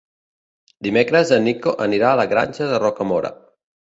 Dimecres en Nico anirà a la Granja de Rocamora.